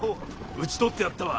討ち取ってやったわ。